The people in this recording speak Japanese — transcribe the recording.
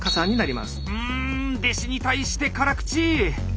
ん弟子に対して辛口！